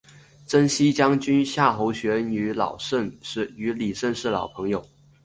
征西将军夏侯玄与李胜是老朋友。